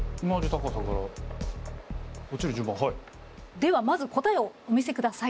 ではまず答えをお見せください。